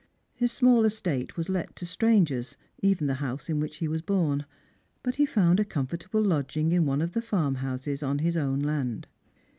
His small estate ^as let to strangers, even the house in which he was born ; but he found a comfortable lodging in one of the farmhouses on his own land.